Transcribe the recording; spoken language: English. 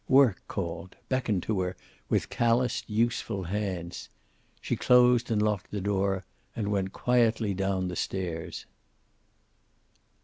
Work called, beckoned to her with calloused, useful hands. She closed and locked the door and went quietly down the stairs.